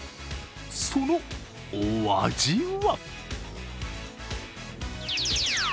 そのお味は？